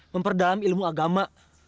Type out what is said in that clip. memperdalam ilmu agama